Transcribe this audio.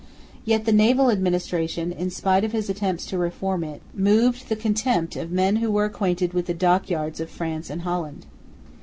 Yet the naval administration, in spite of his attempts to reform it, moved the contempt of men who were acquainted with the dockyards of France and Holland.